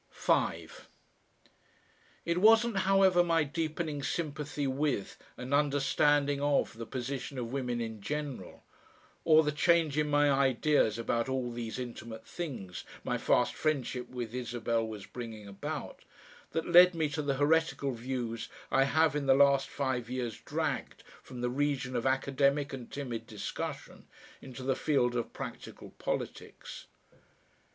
5 It wasn't, however, my deepening sympathy with and understanding of the position of women in general, or the change in my ideas about all these intimate things my fast friendship with Isabel was bringing about, that led me to the heretical views I have in the last five years dragged from the region of academic and timid discussion into the field of practical politics.